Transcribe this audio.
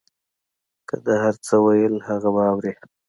که ده هر څه ویل هغه به اورې.